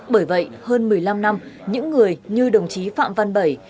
bởi vậy hơn một mươi năm năm những người như đồng chí phạm văn bảy